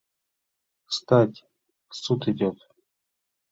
— Встать, суд идет!